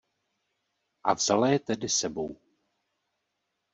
A vzala je tedy s sebou.